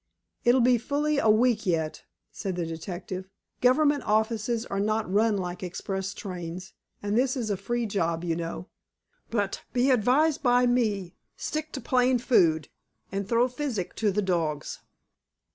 "It'll be fully a week yet," said the detective. "Government offices are not run like express trains, and this is a free job, you know. But, be advised by me. Stick to plain food, and throw physic to the dogs."